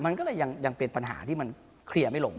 มันก็เลยยังเป็นปัญหาที่มันเคลียร์ไม่ลง